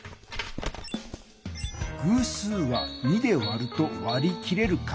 偶数は２で割ると割り切れる数。